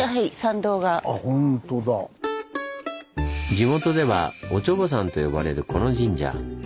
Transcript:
地元では「おちょぼさん」と呼ばれるこの神社。